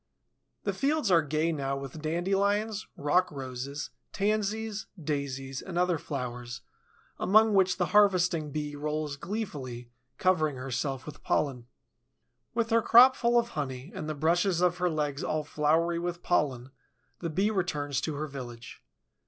The fields are gay now with dandelions, rock roses, tansies, daisies, and other flowers, among which the harvesting Bee rolls gleefully, covering herself with pollen. With her crop full of honey and the brushes of her legs all floury with pollen, the Bee returns to her village.